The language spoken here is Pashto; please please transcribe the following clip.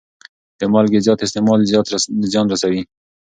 د مالګې زیات استعمال زیان رسوي.